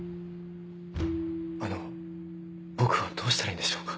あの僕はどうしたらいいんでしょうか？